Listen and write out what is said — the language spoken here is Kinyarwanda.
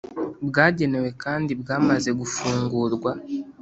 bwagenewe kandi bwamaze gufungurwa